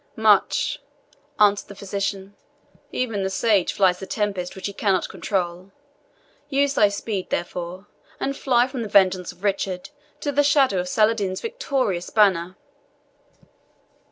"Much," answered the physician. "Even the sage flies the tempest which he cannot control. Use thy speed, therefore, and fly from the vengeance of Richard to the shadow of Saladin's victorious banner."